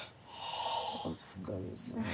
お疲れさま。